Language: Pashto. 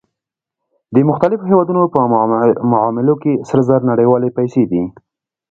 د مختلفو هېوادونو په معاملو کې سره زر نړیوالې پیسې دي